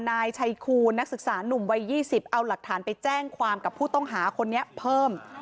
นายชัยคูณนักศึกษานุ่มวัย๒๐เอาหลักฐานไปแจ้งความกับผู้ต้องหาคนนี้เพิ่ม